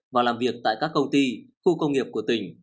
và làm việc tại các công ty khu công nghiệp của tỉnh